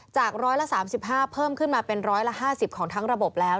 จาก๑๓๕เพิ่มขึ้นมาเป็นร้อยละ๕๐ของทั้งระบบแล้ว